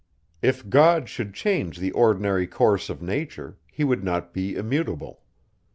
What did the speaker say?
If God should change the ordinary course of nature, he would not be immutable.